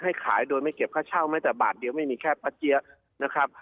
ให้ขายโดยไม่เก็บค่าเช่าแม้แต่บาทเดียวไม่มีแค่ป้าเจี๊ยนะครับ